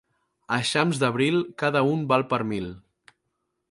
Eixams d'abril, cada un val per mil.